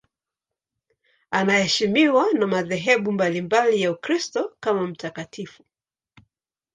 Anaheshimiwa na madhehebu mbalimbali ya Ukristo kama mtakatifu.